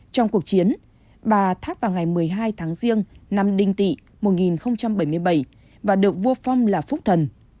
trong cuộc chiến bà tháp vào ngày một mươi hai tháng riêng năm đinh tị một nghìn bảy mươi bảy và được vua phong là phúc thần